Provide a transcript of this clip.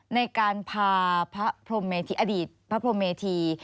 ในการพาอดีตพระพรมเมธี